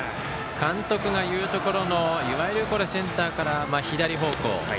監督が言うところのいわゆるセンターから左方向